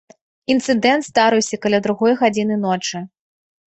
Інцыдэнт здарыўся каля другой гадзіны ночы.